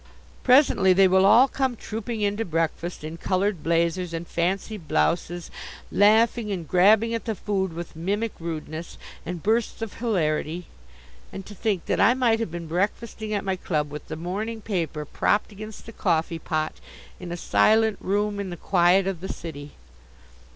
Presently they will all come trooping in to breakfast, in coloured blazers and fancy blouses, laughing and grabbing at the food with mimic rudeness and bursts of hilarity. And to think that I might have been breakfasting at my club with the morning paper propped against the coffee pot, in a silent room in the quiet of the city.